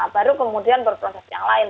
baru kemudian berproses yang lain